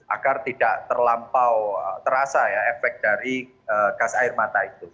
agar tidak terlampau terasa ya efek dari gas air mata itu